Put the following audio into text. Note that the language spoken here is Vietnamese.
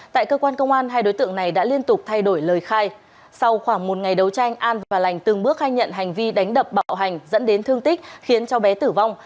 tại cơ quan công an hai đối tượng này đã liên tục thay đổi lời khai sau khoảng một ngày đấu tranh an và lành từng bước khai nhận hành vi đánh đập bạo hành dẫn đến thương tích khiến cháu bé tử vong